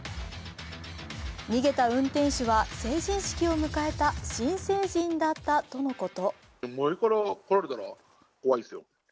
逃げた運転手は成人式を迎えた新成人だったとのこと。